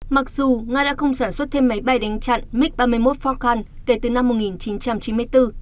mặc dù nga đã không sản xuất thêm máy bay đánh chặn mig ba mươi một forn kể từ năm một nghìn chín trăm chín mươi bốn